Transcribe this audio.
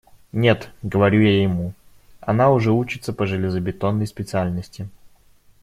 «Нет, – говорю я ему, – она уже учится по железобетонной специальности».